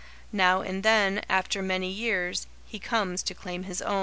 Now and then, after many years, he comes to claim his own.